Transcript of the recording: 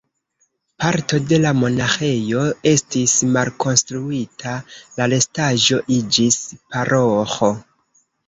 Parto de la monaĥejo estis malkonstruita, la restaĵo iĝis paroĥo.